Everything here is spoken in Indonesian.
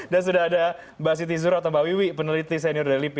dan sudah ada mbak siti zura atau mbak wiwi peneliti senior dari lipi